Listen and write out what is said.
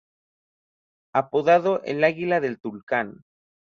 Apodado "El Águila de Tulcán".